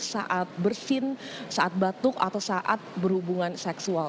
saat bersin saat batuk atau saat berhubungan seksual